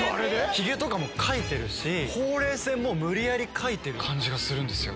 ヒゲとかも描いてるしほうれい線も無理やり描いてる感じがするんですよ。